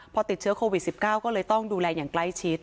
พอติดเชื้อโควิด๑๙ก็เลยต้องดูแลอย่างใกล้ชิด